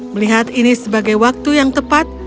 melihat ini sebagai waktu yang tepat